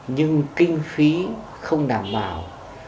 nhưng kinh phí không đảm bảo